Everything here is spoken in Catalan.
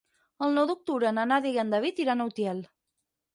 El nou d'octubre na Nàdia i en David iran a Utiel.